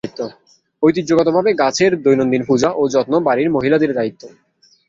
ঐতিহ্যগতভাবে, গাছের দৈনন্দিন পূজা ও যত্ন বাড়ির মহিলাদের দায়িত্ব।